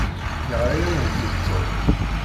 Yeɣra-awent-d Tom?